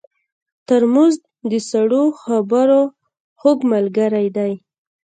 ترموز د سړو خبرو خوږ ملګری دی.